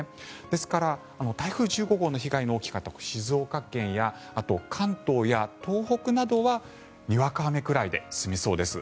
ですから、台風１５号の被害の大きかった静岡県やあと、関東や東北などはにわか雨くらいで済みそうです。